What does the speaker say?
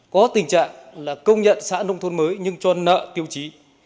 có tình trạng là công nhận xã nông thôn mới nhưng cho nợ tiêu chí